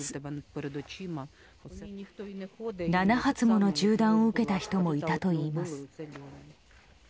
７発もの銃弾を受けた人もいたといいます。